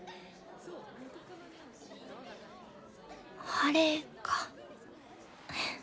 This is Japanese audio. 晴れか。